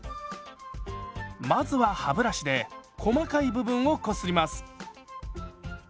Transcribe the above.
まずは歯ブラシで細かい部分をこすります。